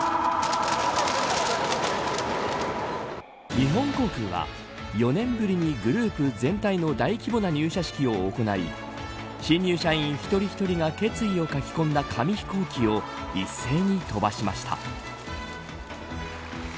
日本航空は４年ぶりにグループ全体の大規模な入社式を行い新入社員一人一人が決意を書き込んだ紙飛行機を一斉に飛ばしました。